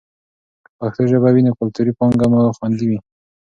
که پښتو ژبه وي نو کلتوري پانګه مو خوندي وي.